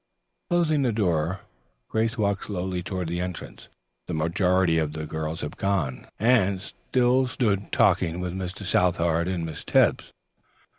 Closing the door, Grace walked slowly toward the entrance. The majority of the girls had gone. Anne still stood talking with Mr. Southard and Miss Tebbs.